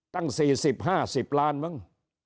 ตั้ง๔๐๕๐ล้านมั้ง